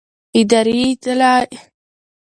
اداري اصلاحات د ثبات لپاره دوامداره هڅه غواړي